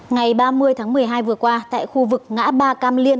ngày ba mươi tháng một mươi hai vừa qua tại khu vực ngã ba cam liên